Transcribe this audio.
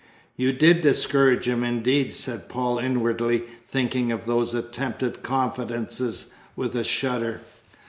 "You did discourage him, indeed!" said Paul inwardly, thinking of those attempted confidences with a shudder.